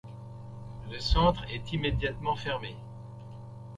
Le centre est immédiatement fermé.